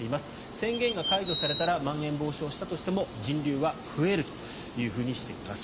宣言が解除されたらまん延防止をしたとしても人流は増えるというふうにしています。